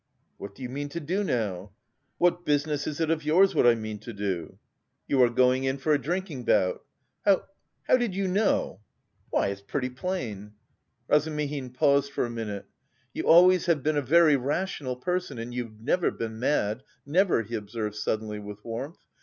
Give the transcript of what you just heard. "What do you mean to do now?" "What business is it of yours what I mean to do?" "You are going in for a drinking bout." "How... how did you know?" "Why, it's pretty plain." Razumihin paused for a minute. "You always have been a very rational person and you've never been mad, never," he observed suddenly with warmth.